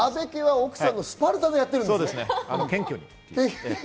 奥さんのスパルタでやってるんですね。